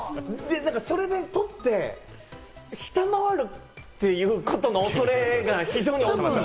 それで取って、下回るっていうことの恐れが非常に大きい。